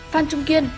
phan trung kiên